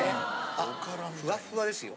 あふわっふわですよ。